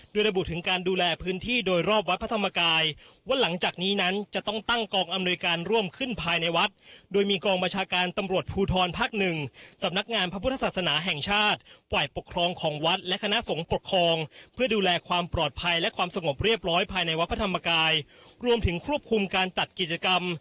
โดยระบุถึงการดูแลพื้นที่โดยรอบวัดพระธรรมกายว่าหลังจากนี้นั้นจะต้องตั้งกองอำนวยการร่วมขึ้นภายในวัดโดยมีกองบัญชาการตำรวจภูทรภักดิ์หนึ่งสำนักงานพระพุทธศาสนาแห่งชาติฝ่ายปกครองของวัดและคณะสงฆ์ปกครองเพื่อดูแลความปลอดภัยและความสงบเรียบร้อยภายในวัดพระธรรมกายรวมถึงควบคุมการจัดกิจกรรม